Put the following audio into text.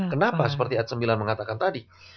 kenapa seperti ad sembilan mengatakan tadi